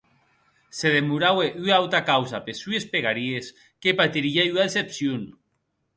Se demoraue ua auta causa pes sues pegaries, que patirie ua decepcion!